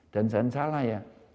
dan jangan salah ya